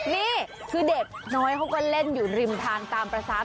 นี่คือเด็กน้อยเขาก็เล่นอยู่ริมทางตามภาษา